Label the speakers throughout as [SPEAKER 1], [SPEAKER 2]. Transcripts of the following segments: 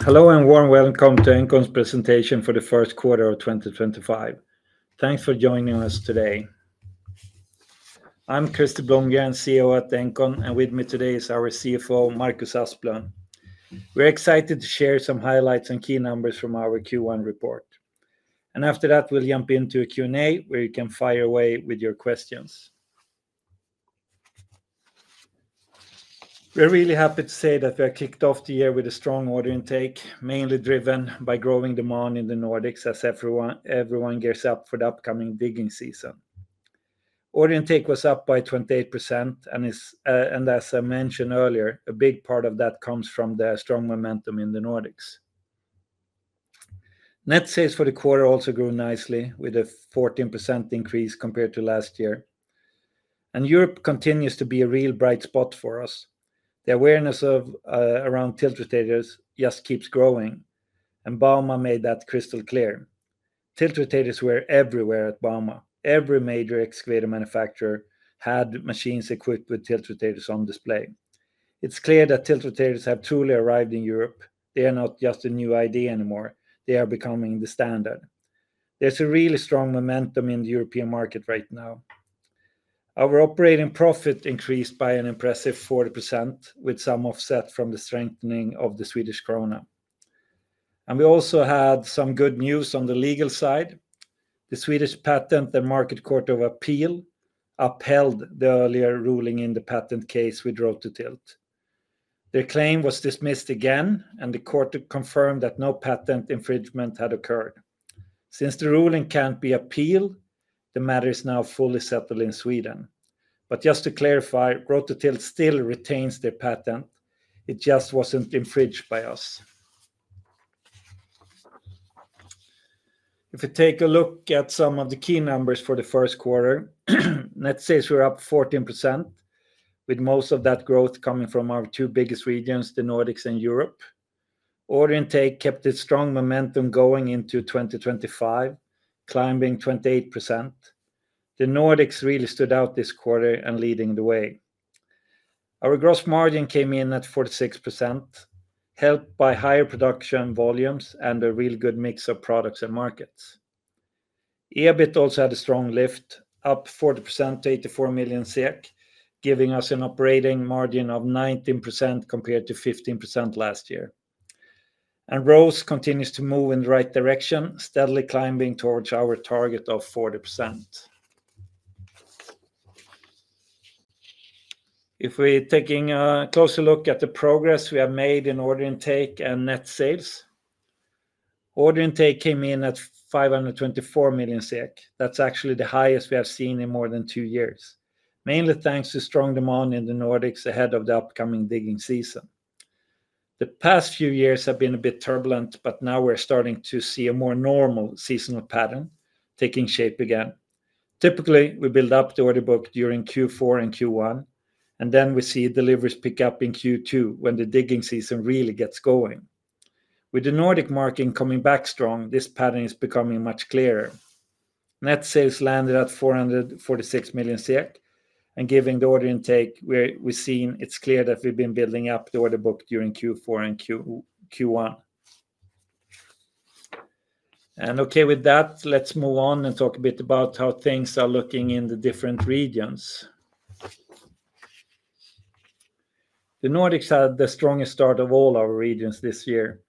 [SPEAKER 1] Hello and warm welcome to Engcon's presentation for the first quarter of 2025. Thanks for joining us today. I'm Krister Blomgren, CEO at Engcon, and with me today is our CFO, Marcus Asplund. We're excited to share some highlights and key numbers from our Q1 report. After that, we'll jump into a Q&A where you can fire away with your questions. We're really happy to say that we have kicked off the year with a strong order intake, mainly driven by growing demand in the Nordics, as everyone gears up for the upcoming digging season. Order intake was up by 28%, and as I mentioned earlier, a big part of that comes from the strong momentum in the Nordics. Net sales for the quarter also grew nicely, with a 14% increase compared to last year. Europe continues to be a real bright spot for us. The awareness around tilt rotators just keeps growing, and Bauma made that crystal clear. Tilt rotators were everywhere at Bauma. Every major excavator manufacturer had machines equipped with tilt rotators on display. It's clear that tilt rotators have truly arrived in Europe. They are not just a new idea anymore. They are becoming the standard. There's a really strong momentum in the European market right now. Our operating profit increased by an impressive 40%, with some offset from the strengthening of the Swedish krona. We also had some good news on the legal side. The Swedish patent, the Market Court of Appeal, upheld the earlier ruling in the patent case with Rototilt. Their claim was dismissed again, and the court confirmed that no patent infringement had occurred. Since the ruling can't be appealed, the matter is now fully settled in Sweden. Just to clarify, Rototilt still retains their patent. It just was not infringed by us. If we take a look at some of the key numbers for the first quarter, net sales were up 14%, with most of that growth coming from our two biggest regions, the Nordics and Europe. Order intake kept its strong momentum going into 2025, climbing 28%. The Nordics really stood out this quarter and led the way. Our gross margin came in at 46%, helped by higher production volumes and a real good mix of products and markets. EBIT also had a strong lift, up 40% to 84 million SEK, giving us an operating margin of 19% compared to 15% last year. Growth continues to move in the right direction, steadily climbing towards our target of 40%. If we're taking a closer look at the progress we have made in order intake and net sales, order intake came in at 524 million SEK. That's actually the highest we have seen in more than two years, mainly thanks to strong demand in the Nordics ahead of the upcoming digging season. The past few years have been a bit turbulent, but now we're starting to see a more normal seasonal pattern taking shape again. Typically, we build up the order book during Q4 and Q1, and then we see deliveries pick up in Q2 when the digging season really gets going. With the Nordic market coming back strong, this pattern is becoming much clearer. Net sales landed at 446 million SEK, and given the order intake we've seen, it's clear that we've been building up the order book during Q4 and Q1. Okay, with that, let's move on and talk a bit about how things are looking in the different regions. The Nordics had the strongest start of all our regions this year.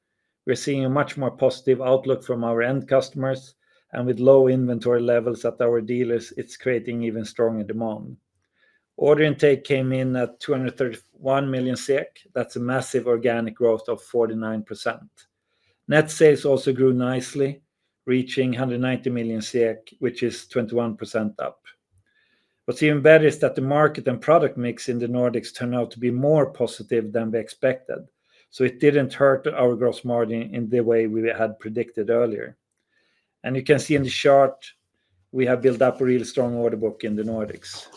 [SPEAKER 1] We're seeing a much more positive outlook from our end customers, and with low inventory levels at our dealers, it's creating even stronger demand. Order intake came in at 231 million SEK. That's a massive organic growth of 49%. Net sales also grew nicely, reaching 190 million, which is 21% up. What's even better is that the market and product mix in the Nordics turned out to be more positive than we expected, so it didn't hurt our gross margin in the way we had predicted earlier. You can see in the chart we have built up a real strong order book in the Nordics.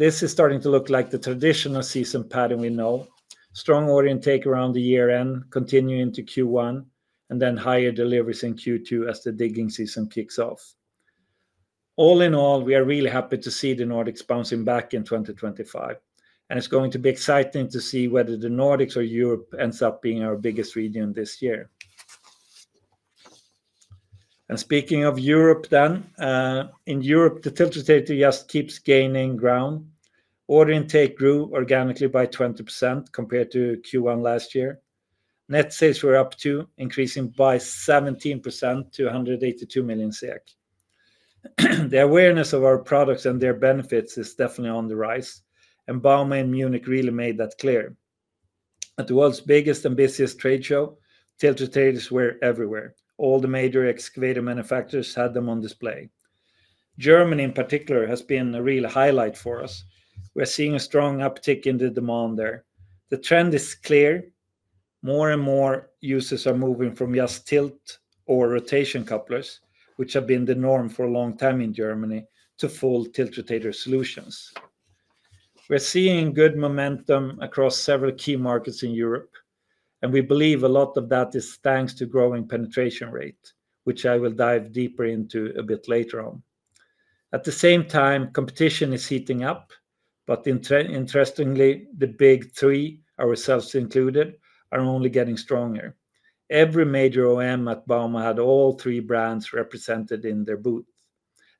[SPEAKER 1] This is starting to look like the traditional season pattern we know: strong order intake around the year-end, continuing into Q1, and then higher deliveries in Q2 as the digging season kicks off. All in all, we are really happy to see the Nordics bouncing back in 2025, and it is going to be exciting to see whether the Nordics or Europe ends up being our biggest region this year. Speaking of Europe then, in Europe, the tilt rotator just keeps gaining ground. Order intake grew organically by 20% compared to Q1 last year. Net sales were up too, increasing by 17% to 182 million SEK. The awareness of our products and their benefits is definitely on the rise, and Bauma and Munich really made that clear. At the world's biggest and busiest trade show, tilt rotators were everywhere. All the major excavator manufacturers had them on display. Germany, in particular, has been a real highlight for us. We're seeing a strong uptick in the demand there. The trend is clear. More and more users are moving from just tilt or rotation couplers, which have been the norm for a long time in Germany, to full tilt rotator solutions. We're seeing good momentum across several key markets in Europe, and we believe a lot of that is thanks to growing penetration rate, which I will dive deeper into a bit later on. At the same time, competition is heating up, but interestingly, the big three, ourselves included, are only getting stronger. Every major OEM at Bauma had all three brands represented in their booth,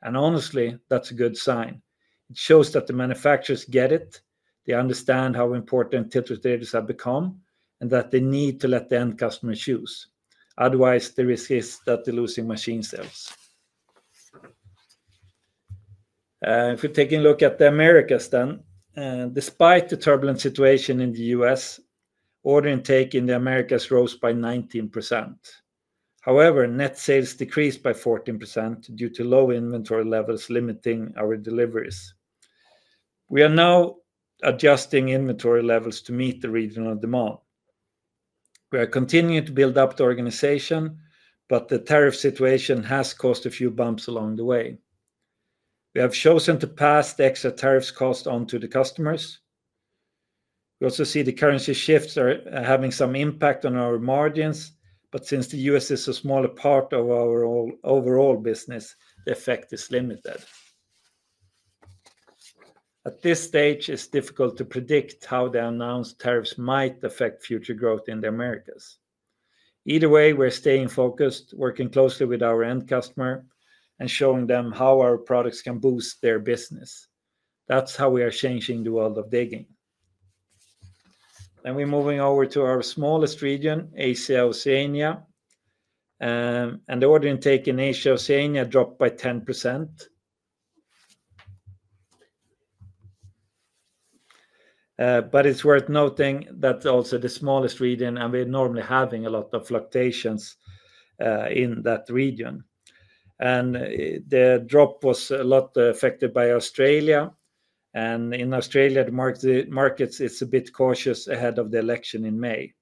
[SPEAKER 1] and honestly, that's a good sign. It shows that the manufacturers get it, they understand how important tilt rotators have become, and that they need to let the end customers choose. Otherwise, the risk is that they're losing machine sales. If we're taking a look at the Americas then, despite the turbulent situation in the U.S., order intake in the Americas rose by 19%. However, net sales decreased by 14% due to low inventory levels limiting our deliveries. We are now adjusting inventory levels to meet the regional demand. We are continuing to build up the organization, but the tariff situation has caused a few bumps along the way. We have chosen to pass the extra tariffs cost onto the customers. We also see the currency shifts are having some impact on our margins, but since the U.S. is a smaller part of our overall business, the effect is limited. At this stage, it's difficult to predict how the announced tariffs might affect future growth in the Americas. Either way, we're staying focused, working closely with our end customer, and showing them how our products can boost their business. That is how we are changing the world of digging. We are moving over to our smallest region, Asia-Oceania, and the order intake in Asia-Oceania dropped by 10%. It is worth noting that is also the smallest region, and we normally have a lot of fluctuations in that region. The drop was a lot affected by Australia, and in Australia's markets, it is a bit cautious ahead of the election in May.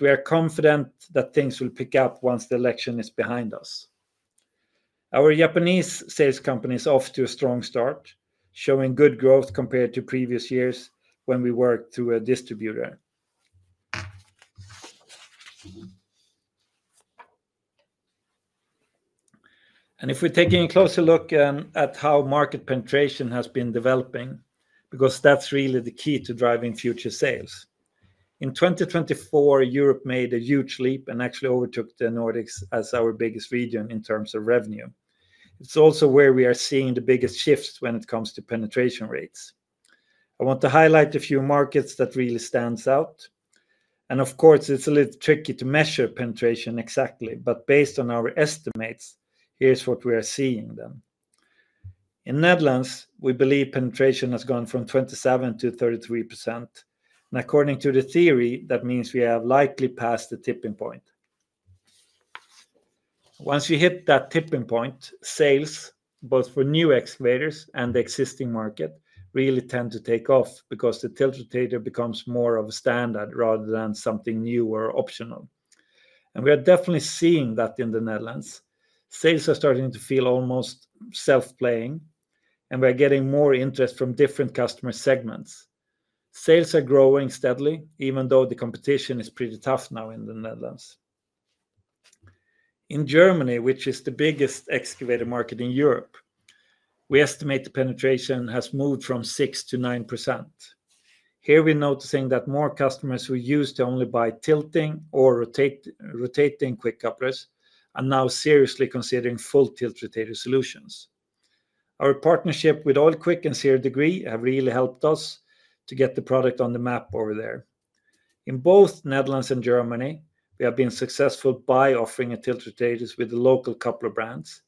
[SPEAKER 1] We are confident that things will pick up once the election is behind us. Our Japanese sales company is off to a strong start, showing good growth compared to previous years when we worked through a distributor. If we are taking a closer look at how market penetration has been developing, because that is really the key to driving future sales. In 2024, Europe made a huge leap and actually overtook the Nordics as our biggest region in terms of revenue. It is also where we are seeing the biggest shifts when it comes to penetration rates. I want to highlight a few markets that really stand out. Of course, it is a little tricky to measure penetration exactly, but based on our estimates, here is what we are seeing then. In the Netherlands, we believe penetration has gone from 27%-33%. According to the theory, that means we have likely passed the tipping point. Once we hit that tipping point, sales, both for new excavators and the existing market, really tend to take off because the tilt rotator becomes more of a standard rather than something new or optional. We are definitely seeing that in the Netherlands. Sales are starting to feel almost self-playing, and we are getting more interest from different customer segments. Sales are growing steadily, even though the competition is pretty tough now in the Netherlands. In Germany, which is the biggest excavator market in Europe, we estimate the penetration has moved from 6% to 9%. Here we're noticing that more customers who used to only buy tilting or rotating quick couplers are now seriously considering full tilt rotator solutions. Our partnership with OilQuick and Zero Degree have really helped us to get the product on the map over there. In both Netherlands and Germany, we have been successful by offering tilt rotators with the local coupler brands.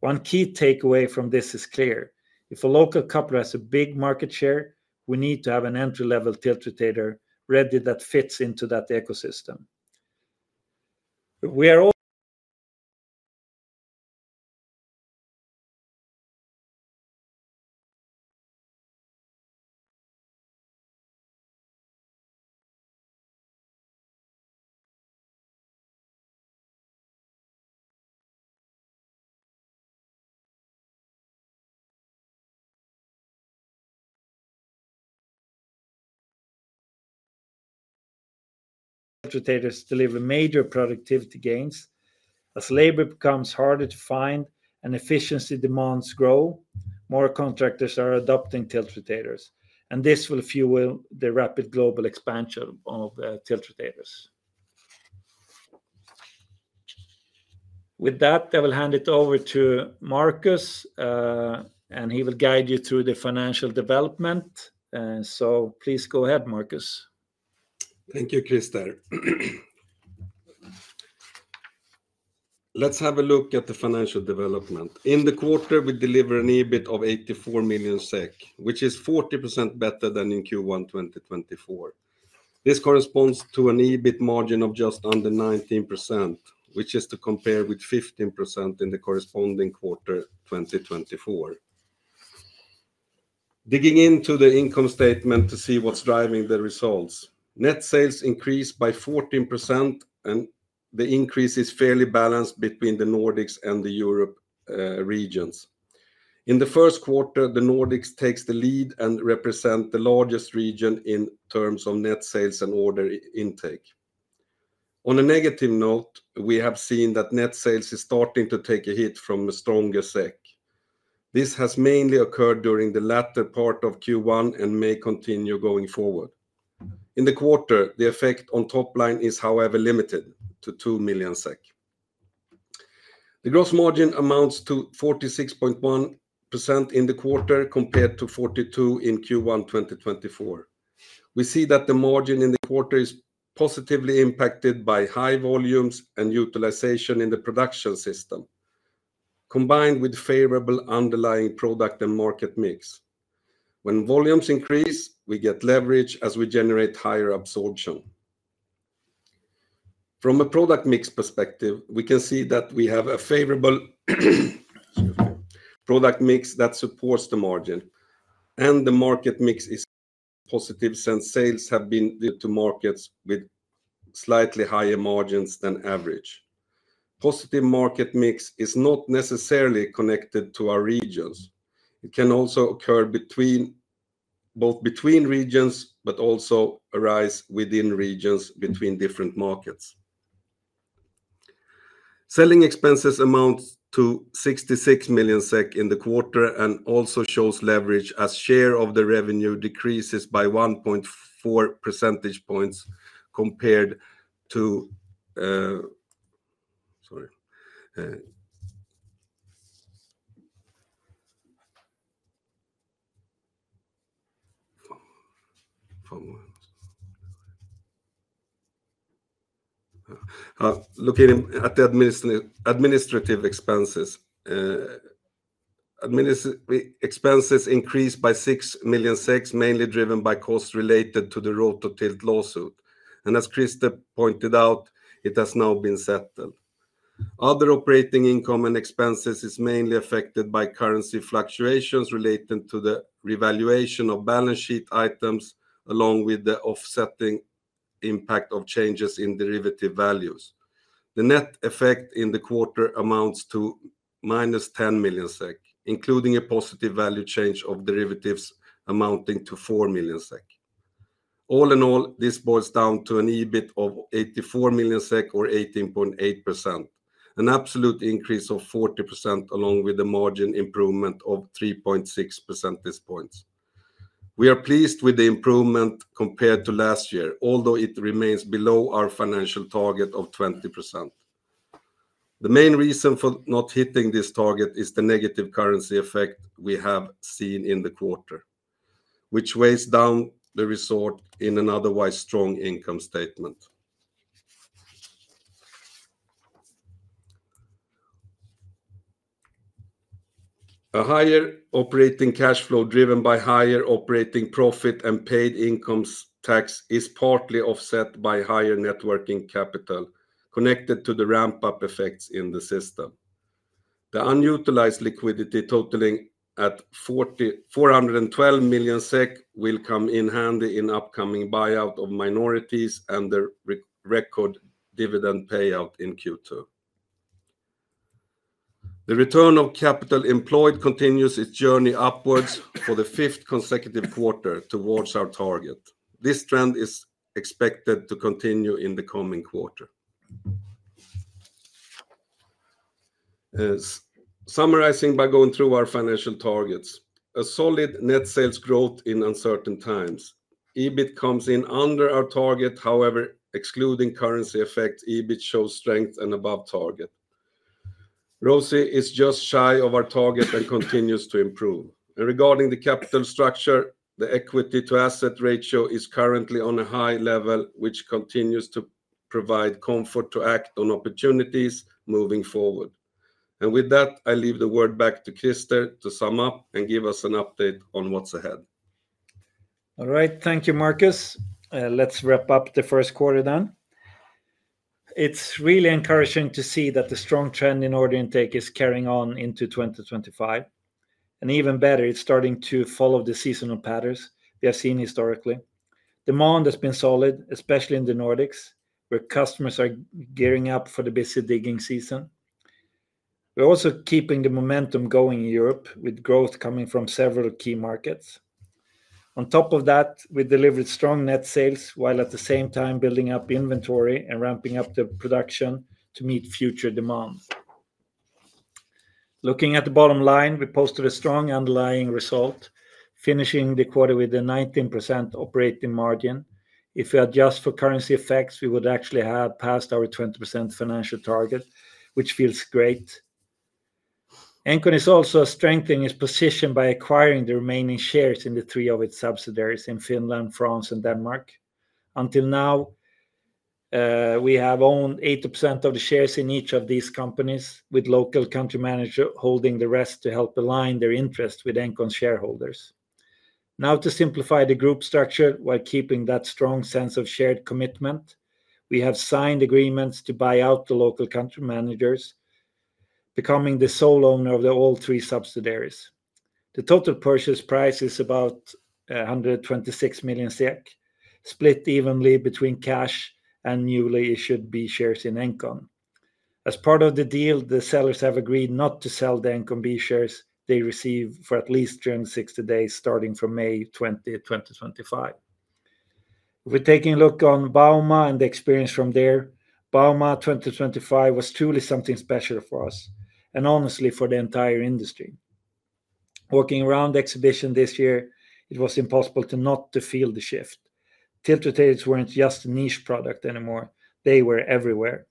[SPEAKER 1] One key takeaway from this is clear. If a local coupler has a big market share, we need to have an entry-level tilt rotator ready that fits into that ecosystem. We are. Tilt rotators deliver major productivity gains as labor becomes harder to find and efficiency demands grow. More contractors are adopting tilt rotators, and this will fuel the rapid global expansion of tilt rotators. With that, I will hand it over to Marcus, and he will guide you through the financial development. Please go ahead, Marcus.
[SPEAKER 2] Thank you, Krister. Let's have a look at the financial development. In the quarter, we delivered an EBIT of 84 million SEK, which is 40% better than in Q1 2024. This corresponds to an EBIT margin of just under 19%, which is to compare with 15% in the corresponding quarter 2024. Digging into the income statement to see what's driving the results, net sales increased by 14%, and the increase is fairly balanced between the Nordics and the Europe regions. In the first quarter, the Nordics takes the lead and represents the largest region in terms of net sales and order intake. On a negative note, we have seen that net sales are starting to take a hit from a stronger SEK. This has mainly occurred during the latter part of Q1 and may continue going forward. In the quarter, the effect on top line is, however, limited to 2 million SEK. The gross margin amounts to 46.1% in the quarter compared to 42% in Q1 2024. We see that the margin in the quarter is positively impacted by high volumes and utilization in the production system, combined with favorable underlying product and market mix. When volumes increase, we get leverage as we generate higher absorption. From a product mix perspective, we can see that we have a favorable product mix that supports the margin, and the market mix is positive since sales have been to markets with slightly higher margins than average. Positive market mix is not necessarily connected to our regions. It can also occur both between regions, but also arise within regions between different markets. Selling expenses amount to 66 million SEK in the quarter and also shows leverage as share of the revenue decreases by 1.4 percentage points compared to, sorry, looking at the administrative expenses. Expenses increased by 6 million, mainly driven by costs related to the Rototilt lawsuit. As Krister pointed out, it has now been settled. Other operating income and expenses are mainly affected by currency fluctuations related to the revaluation of balance sheet items, along with the offsetting impact of changes in derivative values. The net effect in the quarter amounts to -10 million SEK, including a positive value change of derivatives amounting to 4 million SEK. All in all, this boils down to an EBIT of 84 million SEK, or 18.8%, an absolute increase of 40%, along with a margin improvement of 3.6 percentage points. We are pleased with the improvement compared to last year, although it remains below our financial target of 20%. The main reason for not hitting this target is the negative currency effect we have seen in the quarter, which weighs down the result in an otherwise strong income statement. A higher operating cash flow driven by higher operating profit and paid income tax is partly offset by higher net working capital connected to the ramp-up effects in the system. The unutilized liquidity totaling at 412 million SEK will come in handy in upcoming buyout of minorities and the record dividend payout in Q2. The return of capital employed continues its journey upwards for the fifth consecutive quarter towards our target. This trend is expected to continue in the coming quarter. Summarizing by going through our financial targets, a solid net sales growth in uncertain times. EBIT comes in under our target; however, excluding currency effects, EBIT shows strength and above target. ROCE is just shy of our target and continues to improve. Regarding the capital structure, the equity-to-asset ratio is currently on a high level, which continues to provide comfort to act on opportunities moving forward. With that, I leave the word back to Krister to sum up and give us an update on what is ahead.
[SPEAKER 1] All right, thank you, Marcus. Let's wrap up the first quarter then. It is really encouraging to see that the strong trend in order intake is carrying on into 2025. Even better, it is starting to follow the seasonal patterns we have seen historically. Demand has been solid, especially in the Nordics, where customers are gearing up for the busy digging season. We are also keeping the momentum going in Europe, with growth coming from several key markets. On top of that, we delivered strong net sales while at the same time building up inventory and ramping up the production to meet future demand. Looking at the bottom line, we posted a strong underlying result, finishing the quarter with a 19% operating margin. If we adjust for currency effects, we would actually have passed our 20% financial target, which feels great. Engcon is also strengthening its position by acquiring the remaining shares in three of its subsidiaries in Finland, France, and Denmark. Until now, we have owned 80% of the shares in each of these companies, with local country managers holding the rest to help align their interests with Engcon's shareholders. Now, to simplify the group structure while keeping that strong sense of shared commitment, we have signed agreements to buy out the local country managers, becoming the sole owner of all three subsidiaries. The total purchase price is about 126 million SEK, split evenly between cash and newly issued B shares in Engcon. As part of the deal, the sellers have agreed not to sell the Engcon B shares they receive for at least 60 days starting from May 20, 2025. We're taking a look on Bauma and the experience from there. Bauma 2025 was truly something special for us and honestly for the entire industry. Walking around the exhibition this year, it was impossible to not feel the shift. Tilt rotators weren't just a niche product anymore; they were everywhere.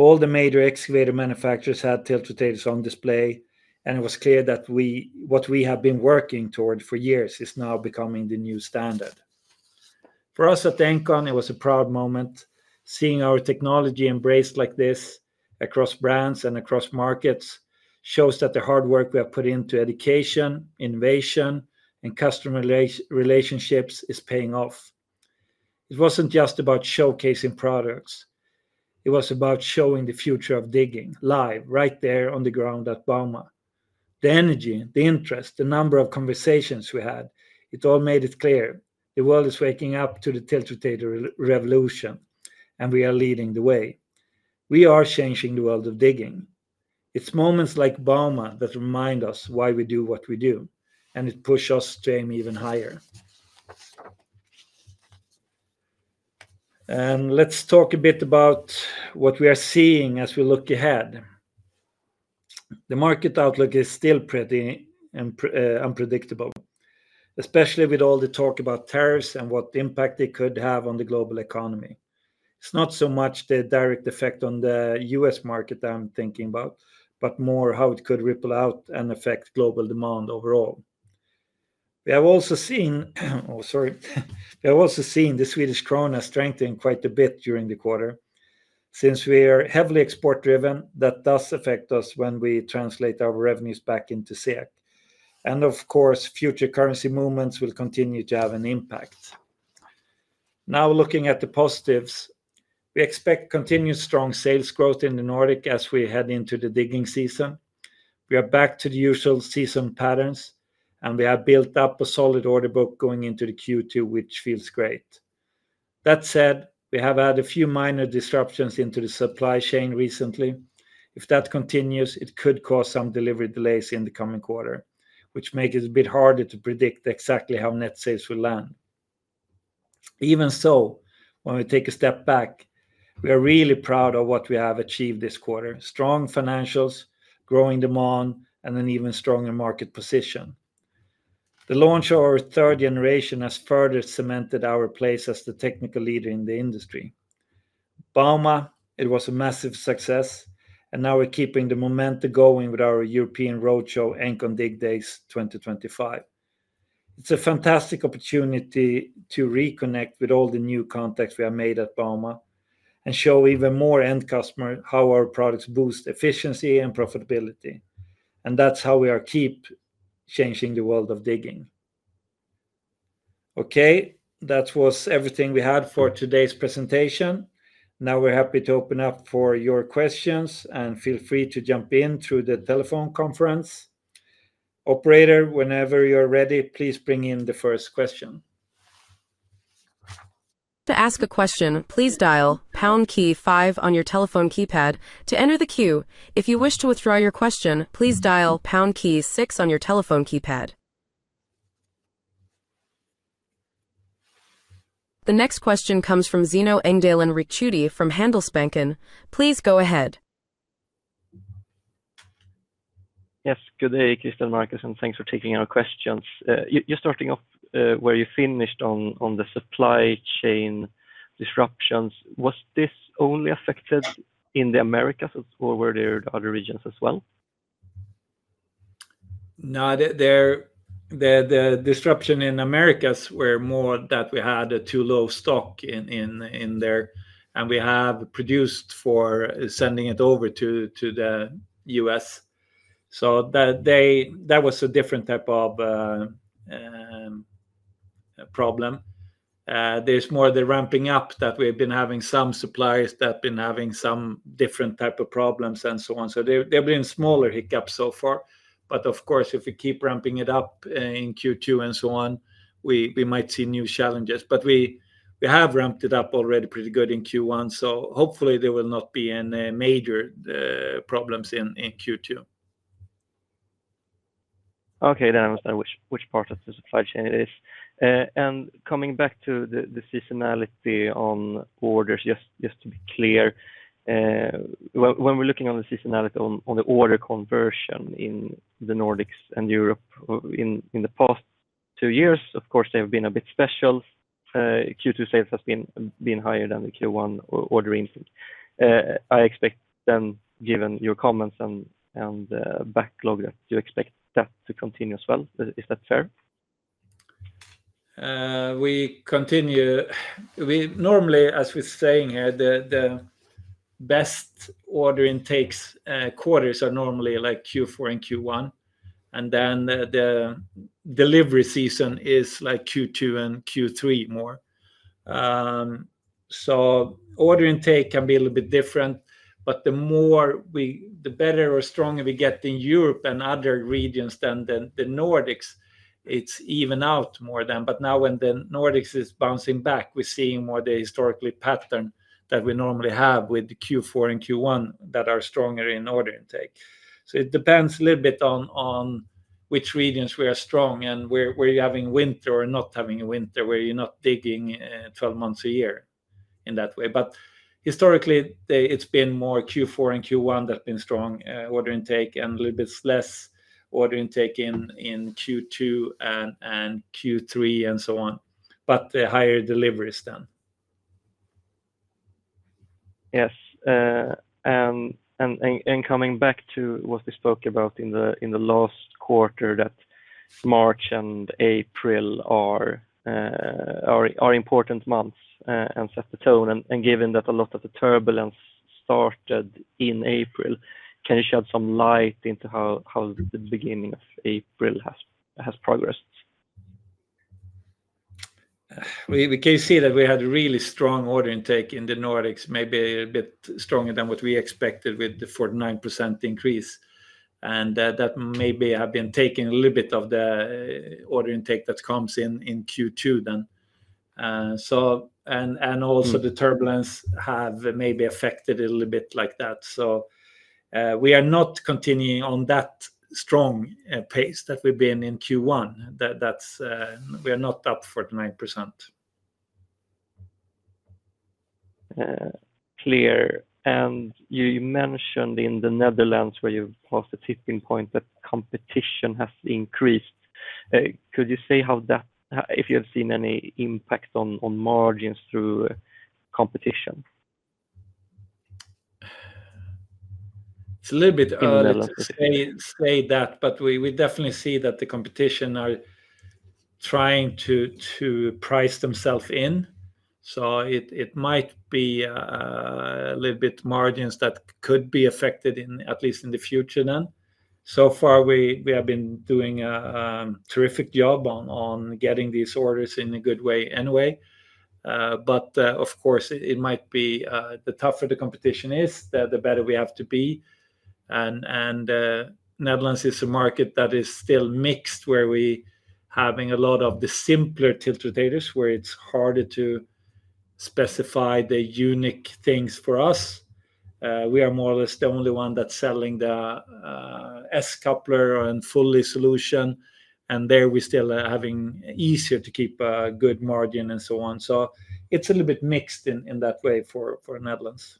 [SPEAKER 1] All the major excavator manufacturers had tilt rotators on display, and it was clear that what we have been working toward for years is now becoming the new standard. For us at Engcon, it was a proud moment. Seeing our technology embraced like this across brands and across markets shows that the hard work we have put into education, innovation, and customer relationships is paying off. It wasn't just about showcasing products; it was about showing the future of digging live, right there on the ground at Bauma. The energy, the interest, the number of conversations we had, it all made it clear the world is waking up to the tilt rotator revolution, and we are leading the way. We are changing the world of digging. Moments like Bauma remind us why we do what we do, and it pushes us to aim even higher. Let's talk a bit about what we are seeing as we look ahead. The market outlook is still pretty unpredictable, especially with all the talk about tariffs and what impact they could have on the global economy. It's not so much the direct effect on the US market that I'm thinking about, but more how it could ripple out and affect global demand overall. We have also seen, sorry, we have also seen the Swedish krona strengthen quite a bit during the quarter. Since we are heavily export-driven, that does affect us when we translate our revenues back into SEK. Of course, future currency movements will continue to have an impact. Now, looking at the positives, we expect continued strong sales growth in the Nordics as we head into the digging season. We are back to the usual season patterns, and we have built up a solid order book going into Q2, which feels great. That said, we have had a few minor disruptions in the supply chain recently. If that continues, it could cause some delivery delays in the coming quarter, which makes it a bit harder to predict exactly how net sales will land. Even so, when we take a step back, we are really proud of what we have achieved this quarter: strong financials, growing demand, and an even stronger market position. The launch of our third generation has further cemented our place as the technical leader in the industry. Bauma, it was a massive success, and now we're keeping the momentum going with our European roadshow, Engcon Dig Days 2025. It's a fantastic opportunity to reconnect with all the new contacts we have made at Bauma and show even more end customers how our products boost efficiency and profitability. That is how we keep changing the world of digging. Okay, that was everything we had for today's presentation. Now we're happy to open up for your questions, and feel free to jump in through the telephone conference. Operator, whenever you're ready, please bring in the first question.
[SPEAKER 3] To ask a question, please dial pound key five on your telephone keypad to enter the queue. If you wish to withdraw your question, please dial pound key six on your telephone keypad. The next question comes from Zino Engdalen Ricciuti from Handelsbanken. Please go ahead.
[SPEAKER 4] Yes, good day, Krister, Marcus, and thanks for taking our questions. You're starting off where you finished on the supply chain disruptions. Was this only affected in the Americas, or were there other regions as well?
[SPEAKER 1] No, the disruption in the Americas was more that we had a too low stock in there, and we have produced for sending it over to the U.S.. That was a different type of problem. There is more of the ramping up that we've been having some suppliers that have been having some different type of problems and so on. There have been smaller hiccups so far. Of course, if we keep ramping it up in Q2 and so on, we might see new challenges. We have ramped it up already pretty good in Q1, so hopefully there will not be any major problems in Q2.
[SPEAKER 4] Okay, I understand which part of the supply chain it is. Coming back to the seasonality on orders, just to be clear, when we're looking on the seasonality on the order conversion in the Nordics and Europe in the past two years, of course, they've been a bit special. Q2 sales have been higher than the Q1 order intake. I expect then, given your comments and backlog, that you expect that to continue as well. Is that fair?
[SPEAKER 1] We continue. Normally, as we're saying here, the best order intake quarters are normally like Q4 and Q1, and then the delivery season is like Q2 and Q3 more. Order intake can be a little bit different, but the better or stronger we get in Europe and other regions than the Nordics, it evens out more then. Now when the Nordics is bouncing back, we're seeing more of the historical pattern that we normally have with Q4 and Q1 that are stronger in order intake. It depends a little bit on which regions we are strong and where you're having winter or not having a winter, where you're not digging 12 months a year in that way. Historically, it's been more Q4 and Q1 that have been strong order intake and a little bit less order intake in Q2 and Q3 and so on, but the higher deliveries then.
[SPEAKER 4] Yes. Coming back to what we spoke about in the last quarter, March and April are important months and set the tone. Given that a lot of the turbulence started in April, can you shed some light into how the beginning of April has progressed?
[SPEAKER 1] We can see that we had a really strong order intake in the Nordics, maybe a bit stronger than what we expected with the 49% increase. That maybe has been taking a little bit of the order intake that comes in Q2 then. Also, the turbulence has maybe affected a little bit like that. We are not continuing on that strong pace that we've been in Q1. We are not up 49%.
[SPEAKER 4] Clear. You mentioned in the Netherlands where you passed a tipping point that competition has increased. Could you say how that, if you have seen any impact on margins through competition?
[SPEAKER 1] It's a little bit early to say that, but we definitely see that the competition are trying to price themselves in. It might be a little bit margins that could be affected at least in the future then. So far, we have been doing a terrific job on getting these orders in a good way anyway. Of course, it might be the tougher the competition is, the better we have to be. Netherlands is a market that is still mixed, where we are having a lot of the simpler tilt rotators, where it's harder to specify the unique things for us. We are more or less the only one that's selling the S-coupler and fully solution, and there we still are having easier to keep a good margin and so on. It's a little bit mixed in that way for Netherlands.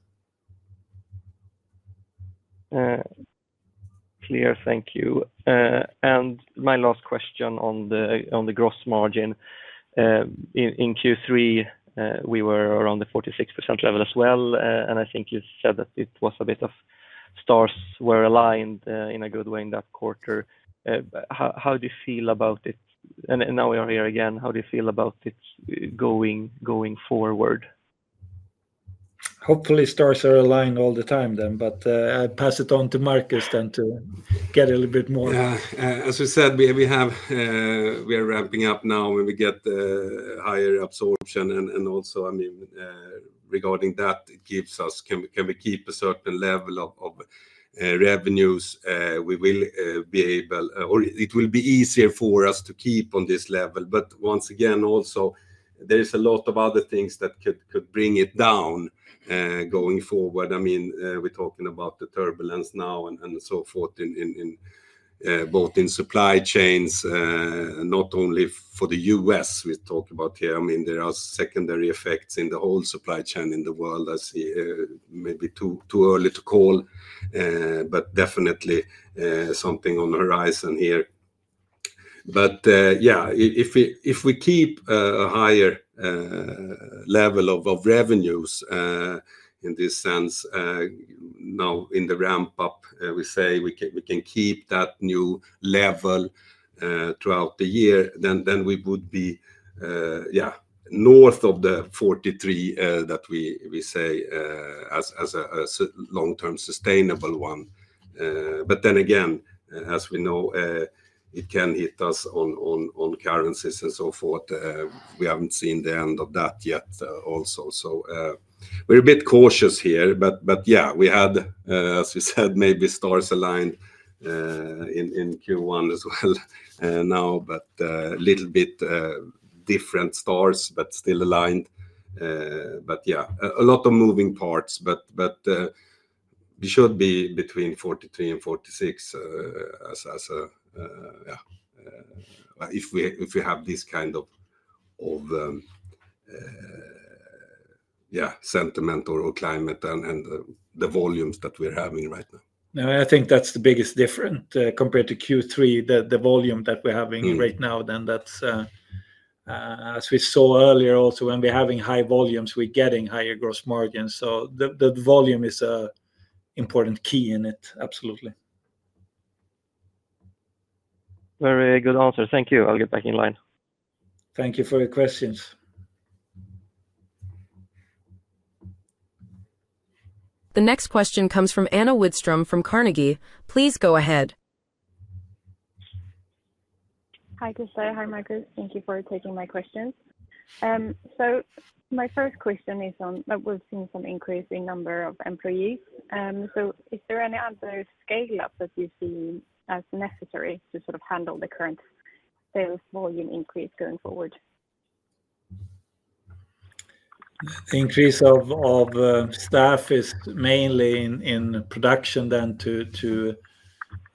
[SPEAKER 4] Clear, thank you. My last question on the gross margin. In Q3, we were around the 46% level as well. I think you said that it was a bit of stars were aligned in a good way in that quarter. How do you feel about it? Now we are here again. How do you feel about it going forward?
[SPEAKER 1] Hopefully, stars are aligned all the time then, but I will pass it on to Marcus to get a little bit more.
[SPEAKER 2] As we said, we are ramping up now when we get the higher absorption. Also, I mean, regarding that, it gives us, can we keep a certain level of revenues, we will be able, or it will be easier for us to keep on this level. Once again, also, there is a lot of other things that could bring it down going forward. I mean, we're talking about the turbulence now and so forth, both in supply chains, not only for the US we talk about here. I mean, there are secondary effects in the whole supply chain in the world. I see maybe too early to call, but definitely something on the horizon here. Yeah, if we keep a higher level of revenues in this sense, now in the ramp up, we say we can keep that new level throughout the year, then we would be, yeah, north of the 43% that we say as a long-term sustainable one. As we know, it can hit us on currencies and so forth. We haven't seen the end of that yet also. We're a bit cautious here, but yeah, we had, as we said, maybe stars aligned in Q1 as well now, but a little bit different stars, but still aligned. Yeah, a lot of moving parts, but we should be between 43%-46% as a, yeah, if we have this kind of, yeah, sentiment or climate and the volumes that we're having right now.
[SPEAKER 1] I think that's the biggest difference compared to Q3, the volume that we're having right now. As we saw earlier, also when we're having high volumes, we're getting higher gross margins. The volume is an important key in it, absolutely.
[SPEAKER 4] Very good answer. Thank you. I'll get back in line.
[SPEAKER 1] Thank you for your questions.
[SPEAKER 3] The next question comes from Anna Widström from Carnegie. Please go ahead.
[SPEAKER 5] Hi Krister, hi Marcus. Thank you for taking my questions. My first question is on that we've seen some increase in number of employees. Is there any other scale-up that you see as necessary to sort of handle the current sales volume increase going forward?
[SPEAKER 1] The increase of staff is mainly in production then for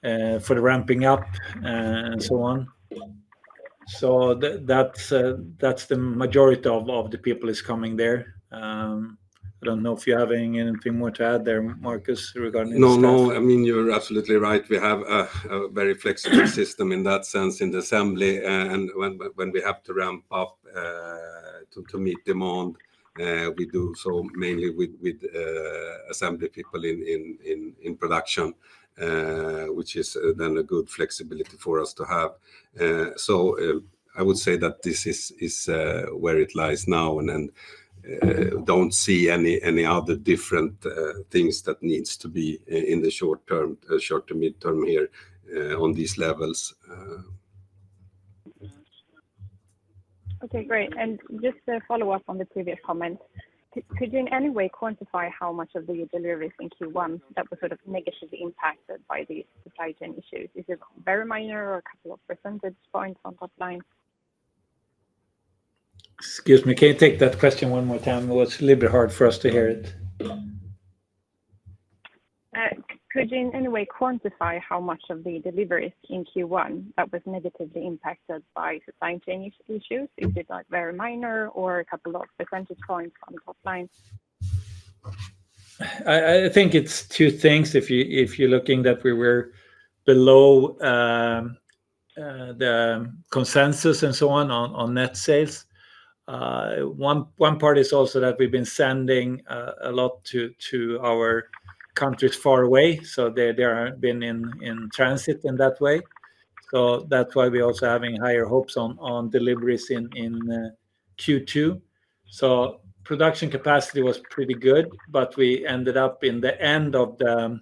[SPEAKER 1] the ramping up and so on. That's the majority of the people is coming there. I don't know if you have anything more to add there, Marcus, regarding the staff.
[SPEAKER 2] No, no. I mean, you're absolutely right. We have a very flexible system in that sense in the assembly. When we have to ramp up to meet demand, we do so mainly with assembly people in production, which is then a good flexibility for us to have. I would say that this is where it lies now and do not see any other different things that need to be in the short term, short to mid term here on these levels.
[SPEAKER 5] Okay, great. Just to follow up on the previous comment, could you in any way quantify how much of the deliveries in Q1 that were sort of negatively impacted by these supply chain issues? Is it very minor or a couple of percentage points on top line?
[SPEAKER 1] Excuse me, can you take that question one more time? It is a little bit hard for us to hear it.
[SPEAKER 5] Could you in any way quantify how much of the deliveries in Q1 that were negatively impacted by supply chain issues, is it like very minor or a couple of percentage points on top line?
[SPEAKER 1] I think it is two things. If you're looking that we were below the consensus and so on on net sales. One part is also that we've been sending a lot to our countries far away. They have been in transit in that way. That is why we're also having higher hopes on deliveries in Q2. Production capacity was pretty good, but we ended up in the end of the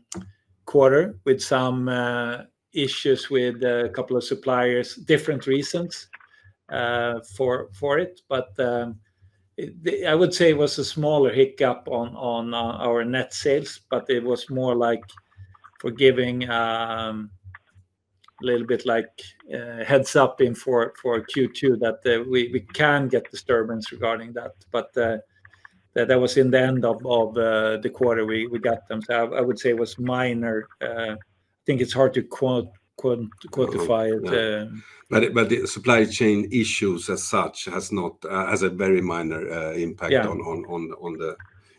[SPEAKER 1] quarter with some issues with a couple of suppliers, different reasons for it. I would say it was a smaller hiccup on our net sales, but it was more like giving a little bit like heads up for Q2 that we can get disturbance regarding that. That was in the end of the quarter we got them. I would say it was minor. I think it's hard to quantify it.
[SPEAKER 2] The supply chain issues as such have a very minor impact on the,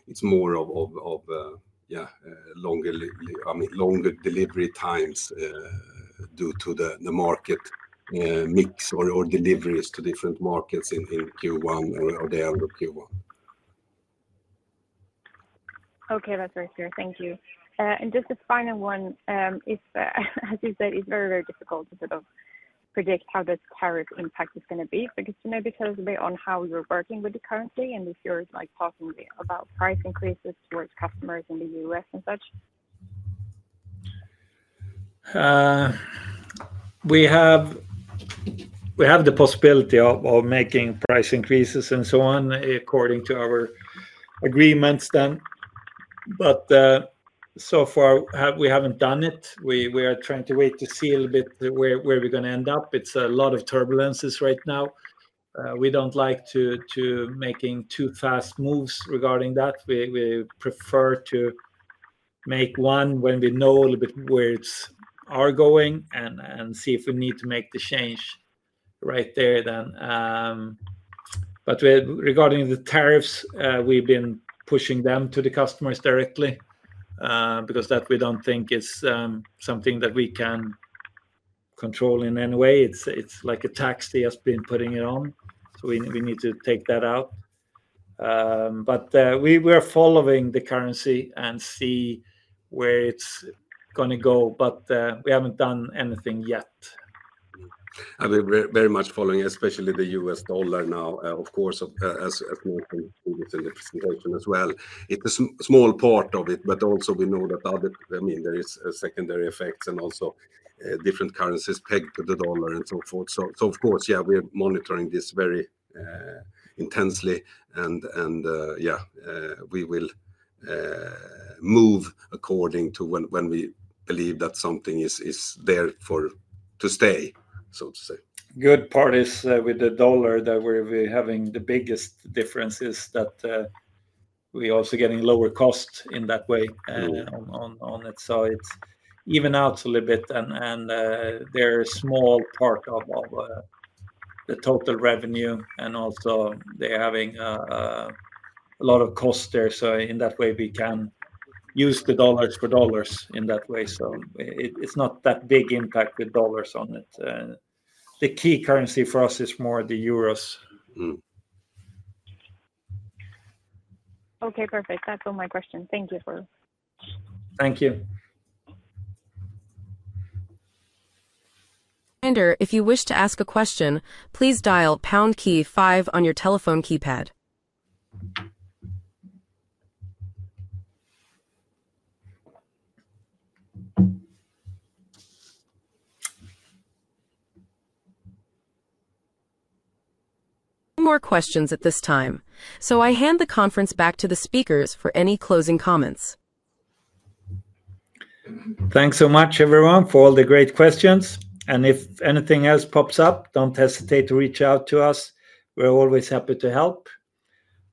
[SPEAKER 2] it's more of, yeah, longer delivery times due to the market mix or deliveries to different markets in Q1 or the end of Q1.
[SPEAKER 5] Okay, that's very clear. Thank you. Just a final one, as you said, it's very, very difficult to sort of predict how this tariff impact is going to be. Just maybe tell us a bit on how you're working with the currency and if you're talking about price increases towards customers in the U.S. and such.
[SPEAKER 1] We have the possibility of making price increases and so on according to our agreements then. So far, we haven't done it. We are trying to wait to see a little bit where we're going to end up. It's a lot of turbulences right now. We do not like to make too fast moves regarding that. We prefer to make one when we know a little bit where things are going and see if we need to make the change right there then. Regarding the tariffs, we have been pushing them to the customers directly because that we do not think is something that we can control in any way. It is like a tax they have been putting on. We need to take that out. We are following the currency and see where it is going to go, but we have not done anything yet.
[SPEAKER 2] I mean, very much following, especially the U.S. dollar now, of course, as Marcus put it in the presentation as well. It is a small part of it, but also we know that there are secondary effects and also different currencies pegged to the dollar and so forth. Of course, yeah, we're monitoring this very intensely. Yeah, we will move according to when we believe that something is there to stay, so to say.
[SPEAKER 1] Good part is with the dollar that we're having the biggest difference is that we're also getting lower cost in that way on its side. Even out a little bit and they're a small part of the total revenue. Also, they're having a lot of cost there. In that way, we can use the dollars for dollars in that way. It's not that big impact with dollars on it. The key currency for us is more the euros.
[SPEAKER 5] Okay, perfect. That's all my questions. Thank you for.
[SPEAKER 1] Thank you.
[SPEAKER 3] If you wish to ask a question, please dial pound Key five on your telephone keypad. No more questions at this time. I hand the conference back to the speakers for any closing comments.
[SPEAKER 1] Thanks so much, everyone, for all the great questions. If anything else pops up, do not hesitate to reach out to us. We are always happy to help.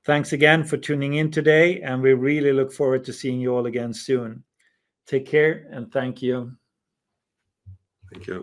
[SPEAKER 1] Thanks again for tuning in today, and we really look forward to seeing you all again soon. Take care and thank you.
[SPEAKER 2] Thank you.